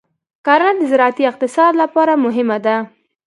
کرنه د زراعتي اقتصاد لپاره مهمه ده.